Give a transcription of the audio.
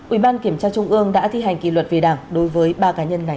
ubnd đã thi hành kỷ luật về đảng đối với ba cá nhân này